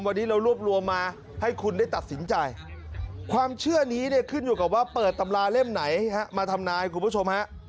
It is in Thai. วันนี้เรารวบรวมมาให้คุณได้ตัดสินใจความเชื่อนี้เนี่ยขึ้นอยู่กับว่าเปิดตำราเล่มไหนมาทำนายคุณผู้ชมฮะ